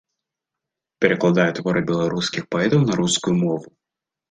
Перакладае творы беларускіх паэтаў на рускую мову.